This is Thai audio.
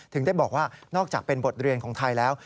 ถึงได้บอกว่านอกจากเป็นบทเรียนของไทยแล้ว